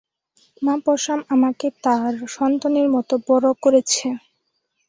মা পসাম আমাকে তার সন্তানের মতো বড় করেছে।